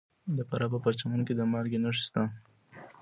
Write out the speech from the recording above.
د فراه په پرچمن کې د مالګې نښې شته.